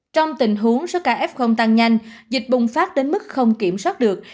trong tình huống số ca f tăng nhanh dịch bùng phát đến mức không kiểm soát được